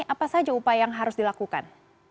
apa saja upaya yang harus dilakukan